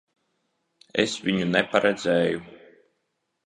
Es viņu neparedzēju.